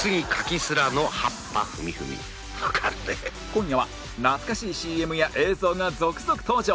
今夜は懐かしい ＣＭ や映像が続々登場！